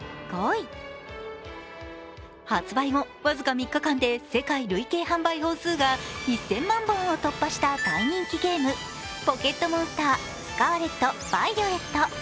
発売後僅か３日間で世界累計販売本数が１０００万本を突破した大人気ゲーム、「ポケットモンスタースカーレット・バイオレット」。